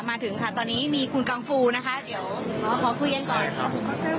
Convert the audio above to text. มาถึงค่ะตอนนี้มีคุณกองฟูนะคะเดี๋ยวขอคุยกันก่อนครับ